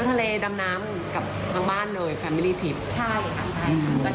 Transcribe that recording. ก็ไม่ทราบว่าสถานการณ์แล้วเราไม่สามารถแทนลูกหน้าได้นาน